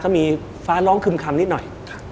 มีฟ้าร้องคึมคำนิดหน่อย